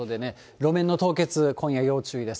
路面の凍結、今夜要注意です。